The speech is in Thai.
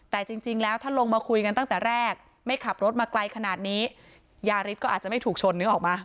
แต่จริงแล้วถ้าลงมาคุยกันตั้งแต่แรกไม่ขับรถมาไกลขนาดนี้ยาริสก็อาจจะไม่ถูกชนนึกออกมา